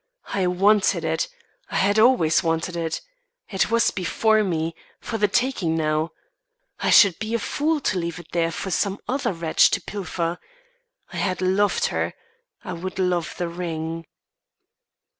I wanted it I had always wanted it. It was before me, for the taking now I should be a fool to leave it there for some other wretch to pilfer. I had loved her I would love the ring.